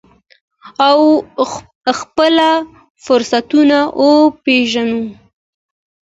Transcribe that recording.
او خپل فرصتونه وپیژنو.